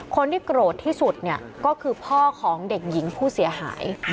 คนที่โกรธที่สุดเนี่ยก็คือพ่อของเด็กหญิงผู้เสียหาย